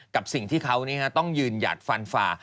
กับสิ่งที่เขาต้องยืนหยัดฟันฝ่า